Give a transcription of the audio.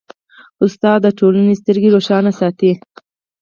استاد د ټولنې سترګې روښانه ساتي.